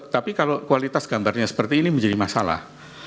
tapi kalau kualitas gambarnya seperti ini menjadi masalah